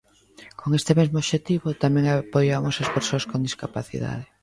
Con este mesmo obxectivo tamén apoiamos as persoas con discapacidade.